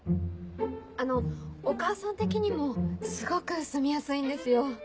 あのお母さん的にもすごく住みやすいんですよ。